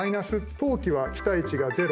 投機は期待値がゼロ。